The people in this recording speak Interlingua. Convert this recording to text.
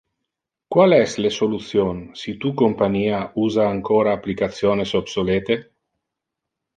Qual es le solution si tu compania usa ancora applicationes obsolete?